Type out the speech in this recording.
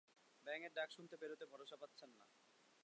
ব্যাঙের ডাক শুনে বেরুতে ভরসা পাচ্ছেন না।